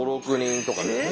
５６人とか。